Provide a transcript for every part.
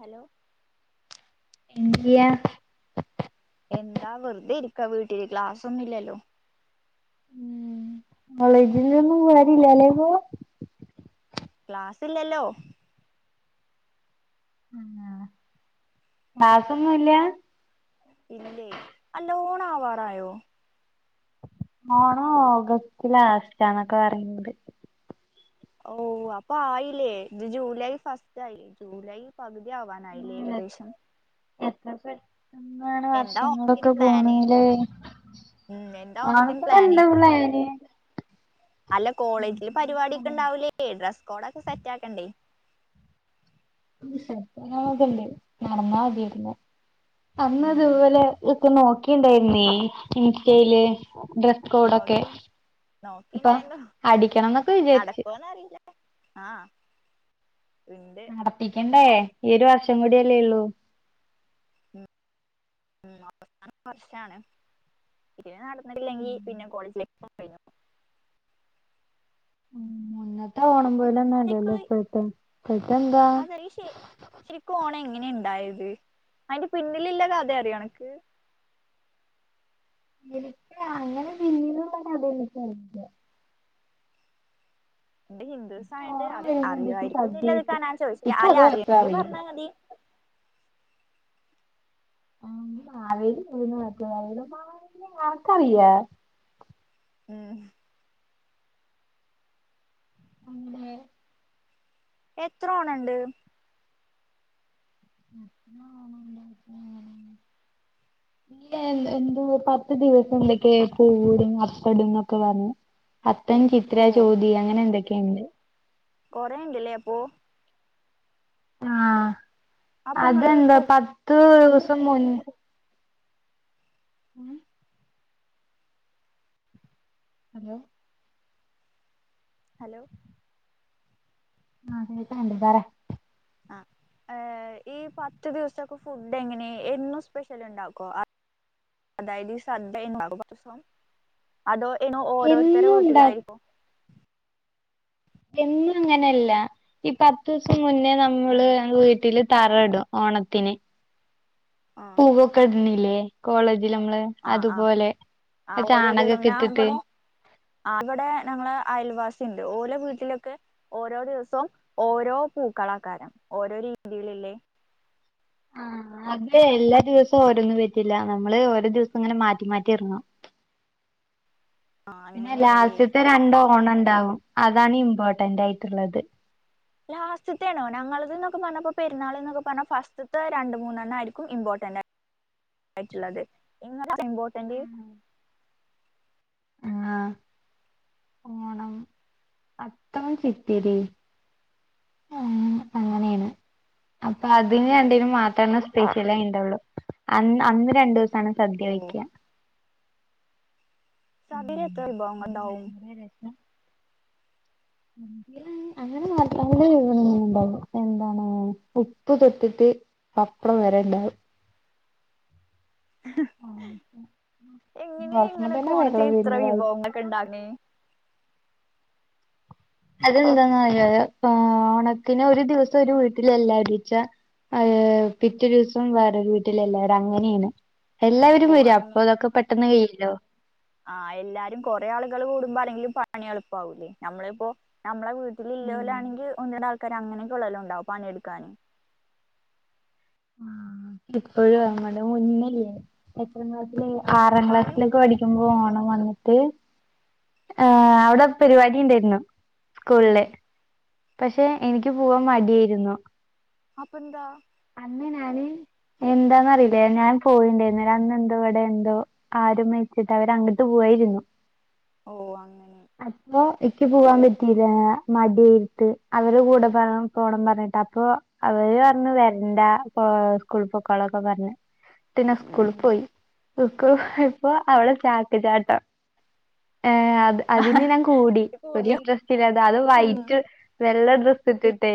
Hello എന്ത്യ എന്താ വെർതെ ഇരിക്ക വീട്ട്ല് ക്ലാസ്സൊന്നുല്ലലൊ ഉം കോളേജ്ലൊന്നും വരില്ലലെ ഇപോ‌ ക്ലാസ്സ്ല്ലല്ലോ ആഹ് ക്ലാസൊന്നുല്ല അല്ല ഇല്ലേ അല്ല ഓണാവാറായൊ ഓണോ ഓഗസ്റ്റ് ലാസ്റ്റാന്നൊക്ക പറയ്ന്നത് ഓഹ് അപ്പായില്ലേ ഇത് ജൂലൈ ഫസ്റ്റായി ജൂലൈ പകുതി ആവാനായിലെ ഏകദേശം [unintelligible] ഇങ്ങനെ എന്താ ഓണത്തിന് വർഷങ്ങളൊക്കെ പോണ് പ്ലാന് ല്ലേ ഉം എന്താ ഓണത്തിന് പ്ലാന് എന്ത് ഫുഡ് യേനി അല്ല കോളേജില് പരിവാടിക്കെണ്ടാവുലേ ഡ്രസ്കോഡൊക്കെ സെറ്റാക്കണ്ടേ സെറ്റ്കളൊക്കെണ്ട് നടന്നാമതീര്ന്നു ഉം അന്നതുപോലെ ഒക്കെ നോക്കിണ്ടേനി ഇൻസ്റ്റയില് ഡ്രസ് കോഡൊക്കെ നോക്കി അപ്പൊ നോക്കിണ്ടായിരുന്നു അടിക്കണം എന്നൊക്കെ വിചാരിച്ച് നടക്കോന്നറിയില്ല. ആഹ് ഇണ്ട് ട്ടിക്കണ്ടേ ഈ ഒരു വർഷം കൂടിയല്ലേള്ളൂ ഉം അവസാനവർഷാണ് ഇതില്നടന്നിട്ടില്ലെങ്കിൽ പിന്നെ കോളേജ് ലൈഫും കഴിഞ്ഞു ഉം മുന്നത്തെ ഓണം പോല ഒന്നുല്ലല്ലോ ഇപ്പയ്ത്തെ ഇപ്പയ്ത്തെന്താ ത്രീശേ ശരിക്ക് ഓണം എങ്ങനെണ്ടായത് അയിന്റെ പിന്നിലില്ല കഥ അറിയോ അനക്ക് ഇന്ക്ക് അങ്ങനെ പിന്നിലു ള്ളകഥ എനിക്കറില്ലാ ഇന്റെ ഹിന്ദുൂസ്സ ആയണ്ട് ഓണം അത് വരുമ്പോ എന്തൊക്കെയോ അറിയായിരിക്കുന്ന് സദ്യ ഇല്ലെൽകാ കിട്ടും ഞാൻ ചോദിചെ അല്ല എനിക്കത് മാത്രേ അറിയങ്കി അറിയുള്ളൂ പറഞ്ഞാമതി അന്ന് മാവേലി പൊയ്ന്നു മാവേലിനെ അൻകറീലെ ഉം അതെ എത്ര ഓണണ്ട് ആ, ഉണ്ടാക്കും എന്ത്‌ എന്ത് പത്ത്ദിവസം എന്തൊക്കെ പുവ്ടും അത്തടുംന്നൊക്കെ പർഞ്ഞ് അത്തൻ ഓ ചിത്ര ചോതി അങ്ങനെന്തെക്കേണ്ട് കൊറേണ്ട്ലെ അപ്പോ ആഹ് അപ്പൊ ഇങ്ങള് അതെന്താ ഫു പത്ത്ദിവസം മുൻപ് ഉം അതെ ഹലോ ആഹ് കേക്ണ്ട് പറ ആഹ് ഏഹ് ഈ പത്ത്ദിവസൊക്കെ ഫുഡ്എങ്ങനെ എന്നും സ്പെഷ്യല്ണ്ടാക്കോ അതായത് ഈ ശദ്ദെണ്ടാവും പത്തൂസം അതോ ഇനോ ഓരോര്ത്തരെ എന്നും ഉണ്ടാ വീട്ടിലായിരിക്കും എന്നും ഇങ്ങനെല്ല ഈ പത്ത്സം മുന്നേ നമ്മള് ഏഹ് നമ്മളെവീട്ടില് തറടും ഓണത്തിന് ആഹ് പൂവൊക്കെ ഇട്ന്നില്ലേ കോളേജിലമ്മളെ ആഹ് ആഹ് ആ ഓരോരോ [unintelligible] ഞാൻ ഇട്ടിട്ട് ഇവടെ ആഹ് ഇവിടെ ഞങ്ങളെ അയൽവാസിണ്ട് ഓല വീട്ടിലൊക്കെ ഓരോദിവസവും ഓരോ പൂക്കളക്കാരം ഓരോ രീതിയിലില്ലേ ആഹ് അത് എല്ലാ ദിവസവും ഓരോന്ന് പറ്റില്ല നമ്മള് ഓരോ ദിവസങ്ങനെ മാറ്റി മാറ്റിയിട്ണം ആ പിന്നെ അങ്ങനെയാണല്ലേ ലാസ്റ്റ്ത്തെ രണ്ട്ഓണണ്ടാവും അതാണ് ഇമ്പോർട്ടന്റായിട്ട്ള്ളത് ലാസ്റ്റത്തേണോ ഞങ്ങൾതന്നൊക്കെ പറഞ്ഞപ്പോ പെരുന്നാള്ന്നൊക്കെ പർഞ്ഞാ ഫസ്റ്റത്ത് രണ്ട്മൂന്നെണ്ണം ആയിരിക്കും ഇമ്പോട്ടന്റാ ആയിട്ട്ള്ളത് ഇങ്ങള ഇമ്പോർട്ടന്റ് ആഹ് ആഹ് ഓണം അത്തം ചിത്തിരി അപ്പ ആ അതിന് അങ്ങനെ രണ്ടിനു മാത്രേ സ്പെഷ്യൽ ഉണ്ടാവുള്ളൂ അന്ന് അന്ന് രണ്ടു സാണ് ഓ സദ്യവയ്ക്ക സദ്യ എത്ര വിഭവങ്ങൾണ്ടാവും ഭയങ്കര രസം അങ്ങനെ നാല്പമല് [unintelligible] എന്താണ് ഉപ്പ്തൊട്ടിട്ട് പപ്പടം വരെണ്ടാവും. എങ്ങനെ ഓർക്കുമ്പോ ഇങ്ങെളൊ ക്കെ തന്നെ വെള്ളം ഓണത്തിന് ഇത്ര വരുന്നു വായിൽ വിഭവങ്ങൊക്കെ ഇണ്ടാങ്ങേ അതെന്താന്നത് ആ ഓണത്തിന് ഒരു ദിവസം ഒരു വീട്ടിലല്ല ഇടിച്ച അത് പിറ്റേ ദിവസം വേറെ വീട്ടിലല്ലാര് അങ്ങനെണ് എല്ലാവരും ഓ വരും അപ്പൊ അതൊക്കെ പെട്ടെന്ന് കഴല്ലോ ആഹ എല്ലാരും കൊറെേ ആളുകൾ കൂടുമ്പോ ആ ല്ലെങ്കിലും പണി എളുപ്പാവൂല്ലേ നമ്മളിപ്പോ നമ്മളെീ ഉം ഇല്ലോലാണെങ്കിൽ ഒന്ന ആൾക്കാര് അങ്ങനെയൊക്ക ഉള്ളല്ലാം ഉണ്ടാവും പണി എടുക്കാന് ആ ഇപ്പോഴും [unintelligible] എത്രാം ക്ലാസിൽ ആറാം എന്നാലും ക്ലാസ്സിലൊക്കെ പഠിക്കുന്ന ഓണം വന്നിട്ട് ഉം അവിടെ പരിപാടി ഉണ്ടായിരുന്നു സ്കൂളില് ഉം പക്ഷെ എനിക്ക് പോവാൻ മടിയായിരുന്നു അപ്പൊന്താ അന്ന് ഞാന് എന്താന്ന്റിയില്ലേ ഞാൻ പോയിണ്ടായിരുന്നേല് അന്ന് എന്തോ ഇവിടെ എന്തോ ആരോ മരിച്ചിട്ട് അവര് അങ്ങോട്ട് പോവായിരുന്നു ഓ അങ്ങന അപ്പൊ ഇക്ക് പോവാൻ പറ്റില്ല മടി ആയിട്ട് അവരെ കൂടെ പറ പോണം പറഞ്ഞിട്ട് അപ്പൊ അവര് പറഞ്ഞു വരണ്ട സ്കൂൾ പൊക്കാളൊക്കെ പറഞ്ഞ് പിന്നെ സ്കൂൾ ഉം പോയി [unintelligible] ഇപ്പൊ അവളെ ചാക്ക്ചാട്ടം ഏഹ് അത് അതിന് ഞാൻ കൂടി എന്നിട്ട് ഒരു കൂടിയോ ഇൻട്രസ്റ്റ് ഇല്ലത് അത് ഉം വൈറ്റ് വെള്ള ഡ്രസ്സ് ഇട്ട്ട്ടേ,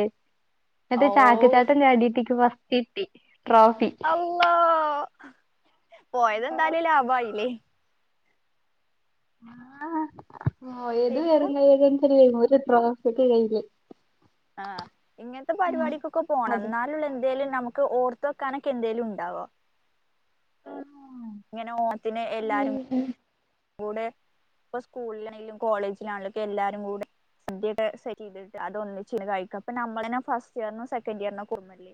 ന്നട്ട് ഓ ചാക്ക് ചാട്ടം ചാടിട്ട് ഇക്ക് ഫസ് കിട്ടി ട്രോഫി അള്ളാഹ് പോയതെന്തായാലും ലാഭായില്ലേ ആഹ് പോയത് ശരിക്കും വെറുംകൈയോടേച്ചാലും [unintelligible] ട്രോഫ്‌യൊക്കേ കയ്യില് ആഹ് ഇങ്ങൻത്തെ ആഹ് പരിപാടിക്കൊക്കെ പോണം അതെ ന്നാലൊള്ളൂ എന്തേലും നമുക്ക് ഓർ ത്ത് വെക്കാനൊക്കെ എന്തേലും ഉണ്ടാവോ. ആഹ് ഇങ്ങനെ ഓണത്തിന് എല്ലാരും കൂടെ ഇപ്പ സ്കൂളിലാണെങ്കിലും കോളേജിലാണെലുംക്കെ എല്ലാരും കൂടെ സദ്യക്കെ സെറ്റെയ്തിട്ട് അതൊന്നിച്ച് ന്ന് കഴിക്കാ. ഇപ്പ നമ്മെളെന്നെ ഫസ്റ്റ് ഇയറിനും സെക്കൻ്റിയറിനൊക്ക ഒന്നല്ലേ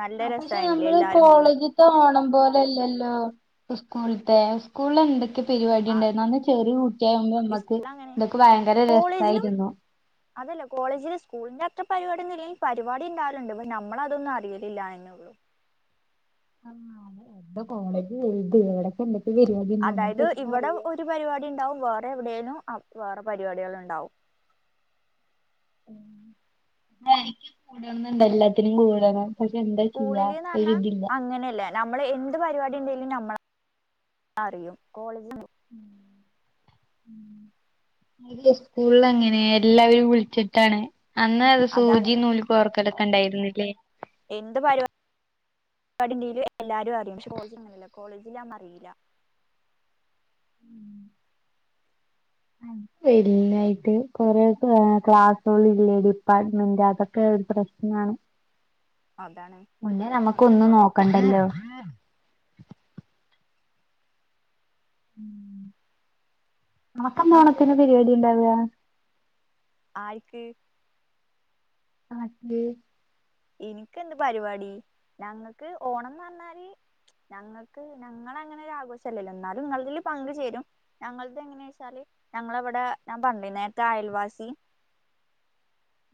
നല്ല രസായ്ന്നില്ലേ എല്ലാരും കൂടെ ത്തോണം പോലെല്ലല്ലോ സ്കൂൾത്തെ. സ്കൂൾല് എന്തൊക്കെ പരിപാടി ആ ഉണ്ടായിരുന്നു അന്ന് ചെറിയ കുട്ടിയാകുമ്പോ ഈ നമ്മക്ക് സ്കൂൾ അങ്ങനെ ഇതൊക്കെ ഭയങ്കര കോളേജിലും രസായിരുന്നു. അതല്ല കോളേജില് സ്കൂളിന്റെ അത്ര പരിപാട്യൊന്നു ഇല്ലെ പരിപാടി ണ്ടാവല്ണ്ട്. പ്പ നമ്മളതൊന്നും അറിയലില്ലാന്നെന്നേ ഉള്ളൂ. ആഹ്. എന്ത കോളേജ് വൽത്. എവിടക്കെ എന്തെക്ക പരിപാട്യാന്ന് നമ്മക്കെങ്ങനെ അറിയാ. റ്റ് പരിപാടി ണ്ടാവും. വേറെ എവിടെലും അ വേറെ പരിപാടിയേള് ണ്ടാവും. ഉം. ആഹ് എനിക്ക് കൂടണംന്ന്ണ്ട്. എല്ലാത്തിനും കൂടണം. പക്ഷേ എന്താ ചെയ്യ ഒരു ഇതില്ല ഇങ്ങനെല്ലെ നമ്മള് എന്ത് പരിപാടി ഇണ്ടേലും നമ്മള അറിയും കോളേജ് ന്ന് [inaudible] [unintelligible] സ്കൂൾലങ്ങനേ എല്ലാവരും വിൾച്ച്ട്ടാണ്. അന്ന അത് അതാണ് സൂചി നൂലി ഓർക്കലൊക്കെ ഉണ്ടായിരുന്നില്ലേ എന്ത് പര്പാടിണ്ടേലും എല്ലാരും അറ്യും. പക്ഷെ കോളേജിൽ അങ്ങനെയല്ല. കോളേജിലതൊന്നും അറീല്ല. ഉം [inaudible] എല്ലായിട്ട് കൊറെ ഏഹ് ക്ലാസ്സേള് ലേഡിപ്പാർട്ട്മെന്റ് അതൊക്കെ ഒരു പ്രശ്നാണ്. [inaudible] മുന്നേ നമുക്ക് അങ്ങനെ ഒന്നും കൊറെ നോക്കണ്ടല്ലോ ഉം. നമക്കെന്നാ എന്നിട്ട് ഓണത്തിന് പരിപാടി ണ്ടാവാ? ആയിക്ക്? അണക്ക്. ഇന്ക്കെന്ത് പരിപാടി. ഞങ്ങക്ക് ഓണംന്ന് പർഞ്ഞാല് ഞങ്ങൾക്ക്, ഞങ്ങളങ്ങനെ ഒരാഘോഷല്ലല്ലോ ഇന്നാലും ഇങ്ങൾതീല് പങ്ക് ചേരും. ഞങ്ങൾത് എങ്ങനെയാ വെച്ചാല് ഞങ്ങളവിടെ ഞാൻ പർഞ്ഞിലേ നേരത്തെ അയൽവാസി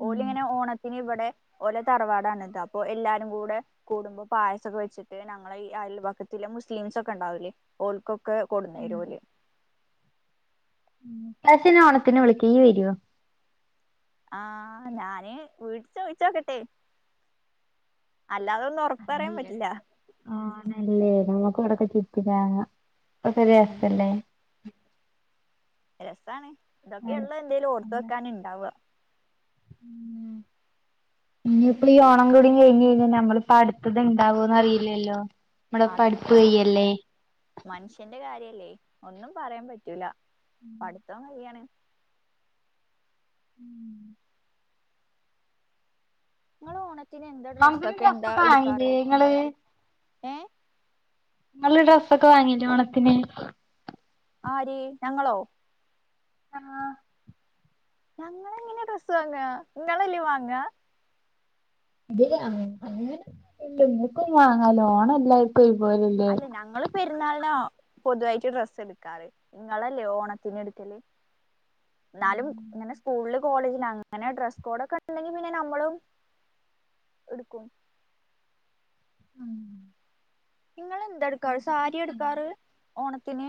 ഉം ഓലിങ്ങനെ ഓണത്തിന് ഇവടെ ഓലെ തറവാടാണ് ഇത്. അപ്പൊ എല്ലാരും കൂടെ കൂടുമ്പം പായസൊക്കെ വെച്ചിട്ട് ഞങ്ങളെ ഈ അയൽപക്കത്തിലെ മുസ്ലിസ് ഒക്കെ ഇണ്ടാവൂലേ ഓൽക്കൊക്കെ കൊടുന്നരോല് ഉം. ഇപ്രാവശ്യം ഞാൻ ഓണത്തിന് വിളിക്ക ഇയ്യ് വരോ? ആഹ് ഞാന് വീട്ട് ചോയ്ച്ചോക്കട്ടേ അല്ലാതൊന്നും ഒർ ആഹ് നിയൾ ആണല്ലേ. നമ്മക്കു ഇവടൊക്കെ ചുറ്റി ക്കറങ്ങാ ഒക്കൊര് ഉം രസ്സല്ലേ. രസാണ്. ഇതൊക്കെയൊള്ളു എന്തെലും ഓർത്ത് വെക്കാന് ണ്ടാവാ. ഇനി ഇപ്ളീ ഓണം കൂടി കഴിഞ്ഞ് കയ്ഞ്ഞാ നമ്മളിപ്പടുത്തത് ഇണ്ടാവോന്ന് അറീല്ലല്ലോ. അറീല്ല. മനുഷ്യന്റെ കാര്യല്ലേ ഒന്നും പറയാൻ പറ്റൂല. പഠിത്തം കഴിയാണ്. ഊം ഇങ്ങള് ഓണത്തിന് എന്താ ഓണത്തിന് ഡ്രസ്സൊക്കെ എന്താ ഇട്ക്കാറ് വാങ്ങില്ലേ ഇങ്ങള് ഏഹ് ങ്ങള് ഡ്രസ്സൊക്കെ വാങ്ങീറ്റേ ഓണത്തിന് ആര് ഞങ്ങളോ ആഹ് ഞങ്ങളങ്ങനെ ഡ്രസ്സ് വാങ്ങാ നിങ്ങളല്ലേവാങ്ങ [unintelligible] വാങ്ങാലോ ഓണല്ലാരി ക്ക് ഒര്പോലല്ലേ അല്ല ഞങ്ങള് പെരുന്നാൾനാ പൊതുവായിട്ട് ഡ്രസ്സെടുക്കാറ് നിങ്ങളല്ലേ ഓണത്തിന് എടുക്കല് എന്നാലും ഇങ്ങനെ സ്കൂള് കോളേജിന്നങ്ങനെ ഡ്രെസ്സകോഡൊക്കെണ്ടങ്കില് പിന്നെ നമ്മളു എടുക്കും ആഹ് നിങ്ങളെന്താ എടുക്കാ സാരി തന്നെയാണ് എടുക്കാറ് ഓണത്തിന്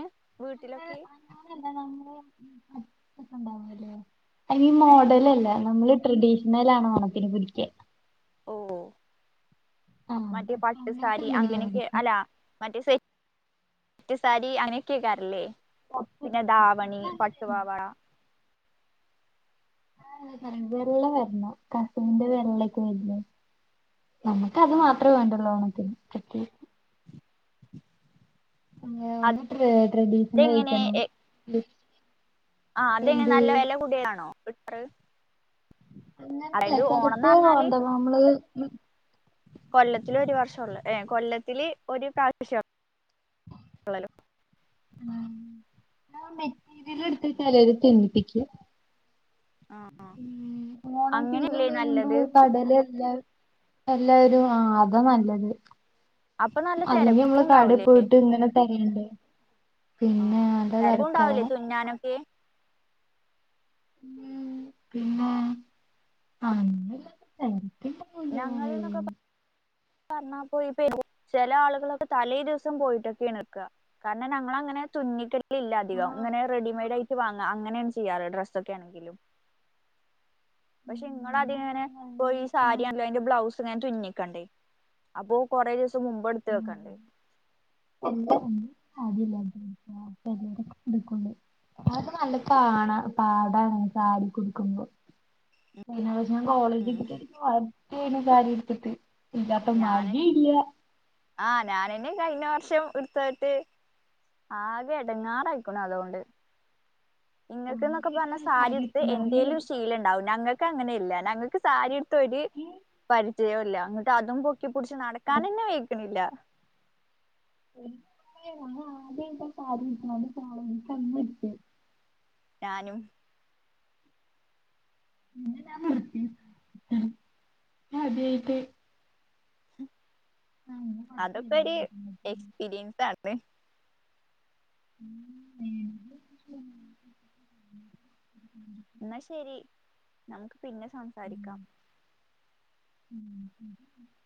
നമ്മള് വീട്ടിലൊക്കെ [unintelligible] [inaudible] അയിന് ഏ മോഡലല്ല നമ്മള് ട്രഡീഷണൽ ആണ് ഓണത്തിന് പിടിക്ക ഓഹ് ആഹ് മറ്റേ അപ്പൊ അങ്ങനത്തെ പട്ട്സാരി എന്തെങ്കിലും അങ്ങനെയൊക്കെ എടുക്ക അല്ല മറ്റേ സെറ്റ് റ്റ് സാരി അങ്ങനെയൊക്കെയക്കാരല്ലേ പിന്നെ ധാവണി അങ്ങനെയല്ല പട്ടുപാവാട [unintelligible] നമ്മക്ക് അത് ആഹ് മാത്രേ വേണ്ടുള്ളു ഓണത്തിന് കിട്ട അഹ് ഒന്ന് ഡ്രെ അതെങ്ങനെ ഡ്രെഡീഷണയിക്കണം ആഹ് അതെങ്ങനെ നല്ല വെലകൂടിയാതാണോ എടുക്കാറ് അങ്ങനല്ല ഓണംന്ന് ചെലപ്പോ പറഞ്ഞാല് വാണ്ട നമ്മള് കൊല്ലത്തില് ഒരുവർഷുള്ള ഏഹ് കൊല്ലത്തില് ഒരു പ്രവിശ്യം ഞാ മെറ്റീരിയല്എടുത്ത ചെല്ത് തുന്നിപ്പിക്കു ആഹ് ആഹ് ഓണസീസൺ വരുമ്പോ കടേലേല്ല എല്ലാവരും ആഹ് അതാ നല്ലത് അപ്പൊ നല്ല അലെങ്കി തിരക്കും നമ്മള് ഉണ്ടാവൂലേ കടേപോയിട്ട് ഇങ്ങനെ തെരയണ്ടേ പിന്നെ ആഹ് നല്ല തെരക്കുണ്ടാവലേ തെരക്കാവും തുന്നാനൊക്കെ ഉം പിന്നെ അങ്ങനില്ല തെരക്കാവു ഞങ്ങള്ന്നൊക്കെ പ പറഞ്ഞാപോയിപ്പൊ ചെല ആളുകളൊക്കെ തലേ ദിവസം പോയിട്ടൊക്കെണട്ക്ക കാരണം ഞങ്ങളങ്ങനെ തുന്നിക്ക ക്കലില്ല ആ അധികം ഇങ്ങനെ റെഡിമെഡായിറ്റ വാങ്ങ അങ്ങനെയാണ് ചെയ്യാറ് ഡ്രസ്സെക്കാണെങ്കിലും ആ, പഷെ ഇങ്ങളതിങ്ങനെ പോയി ഈ ആ, ആ, സാരി അല്ലെങ്കി ബ്ലൗസ് ഇങ്ങന തുന്നിക്കണ്ടേ അപ്പോ കൊറേ ദിവസ മുമ്പെട്ത്ത് ആ. വെക്കണ്ടേ [unintelligible] അത് ഒക്കെ നല്ല പാണ പാടാണ് സാരി ഒക്കെ ഉടുക്കുമ്പോ? ഉം [unintelligible] ഞാനെന്നെ മഴയില്ല ആഹ് ഞാനെന്നെ കഴിഞ്ഞ വർഷം ടുത്തിട്ട്. ആകെ എടങ്ങാറയിക്ക്ണ് അതുകൊണ്ട്. ഇങ്ങൾക്ക് ന്നൊക്കെ പറഞ്ഞാ ആദ്യമായിട്ടാണ് സാരി എടുത്ത് എടുക്കുന്നത് അറിയോ എന്തേലും ഒരു ശീലം ഉണ്ടാവും ഞങ്ങൾക്ക് അങ്ങനെല്ല ഞങ്ങൾക്ക് സാരി. ഉടുത്ത് ഒരു ഉം. പരിചയല്ല ങ്ങിട്ട് അതും പൊക്കി പിടിച്ച് നടക്കാൻ തന്നെ വെയിക്ക്ണില്ല. [unintelligible] ഞാനും. [unintelligible] ആ, ഞാൻ കുറച്ച് അതൊക്കെ ഒരു വലുതായിട്ടുണ്ട്. എക്സ്പീരിയൻസ് ആണ്. [unintelligible] എന്നാ ശരി നമുക്ക് പിന്നെ സംസാരിക്കാം. ഉം